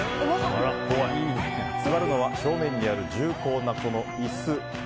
座るのは正面の重厚な椅子。